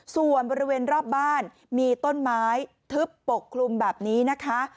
ส่วนบริเวณรอบบ้านมีต้นไม้ทึบปกคลุมแบบนี้นะคะ